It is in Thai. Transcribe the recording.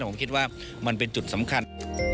ผมคิดว่ามันเป็นจุดสำคัญ